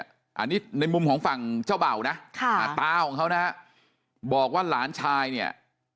อันนี้ในมุมของฝั่งเจ้าเบานะตาของเขานะฮะบอกว่าหลานชายเนี่ย